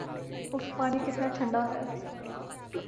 if پانی کتنا ٹھنڈا ہے